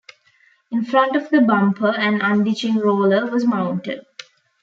In front of the bumper an unditching roller was mounted.